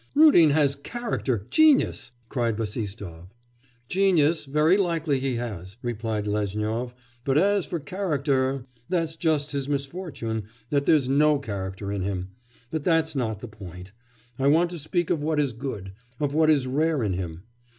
'Rudin has character, genius!' cried Bassistoff. 'Genius, very likely he has!' replied Lezhnyov, 'but as for character ... That's just his misfortune, that there's no character in him... But that's not the point. I want to speak of what is good, of what is rare in him.